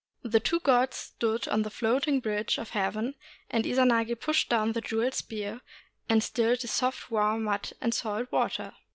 The two gods stood on the Floating Bridge of 279 JAPAN Heaven, and Izanagi pushed down the jeweled spear and stirred the soft warm mud and salt water.